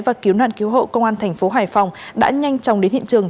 và cứu nạn cứu hộ công an tp hải phòng đã nhanh chóng đến hiện trường